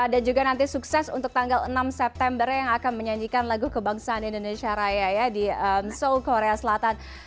dan juga nanti sukses untuk tanggal enam september yang akan menyanyikan lagu kebangsaan indonesia raya ya di seoul korea selatan